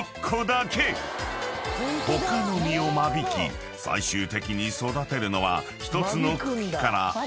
［他の実を間引き最終的に育てるのは１つの茎から１個だけだという］